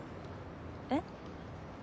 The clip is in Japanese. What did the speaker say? えっ？